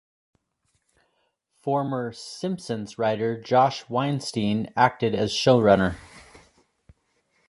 Former "Simpsons" writer Josh Weinstein acted as showrunner.